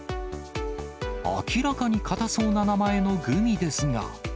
明らかにかたそうな名前のグミですが。